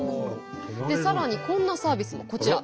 さらにこんなサービスも。こちら。